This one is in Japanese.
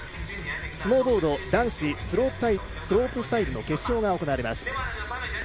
スノーボード男子スロープスタイルの決勝が行われます。